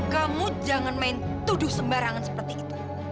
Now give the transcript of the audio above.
kamu jangan main tuduh sembarangan seperti itu